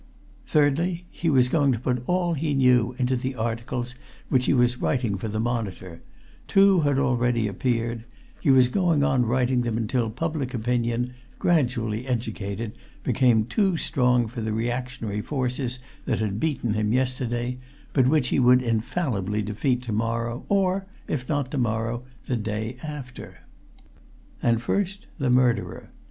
Thirdly, he was going to put all he knew into the articles which he was writing for the Monitor two had already appeared; he was going on writing them until public opinion, gradually educated, became too strong for the reactionary forces that had beaten him yesterday but which he would infallibly defeat to morrow, or, if not to morrow, the day after. And first the murderer.